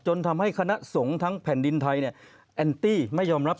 จนทำให้คณะสงฆ์ทั้งแผ่นดินไทยเนี่ยแอนตี้ไม่ยอมรับ